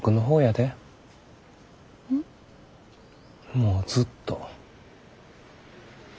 もうずっと。